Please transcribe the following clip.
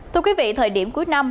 thưa quý vị thời điểm cuối năm